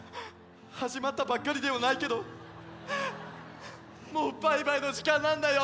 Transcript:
はじまったばっかりではないけどもうバイバイのじかんなんだよ。